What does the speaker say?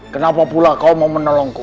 kenapa pula kau mau menolongku